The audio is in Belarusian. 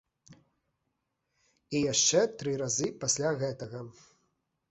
І яшчэ тры разы пасля гэтага.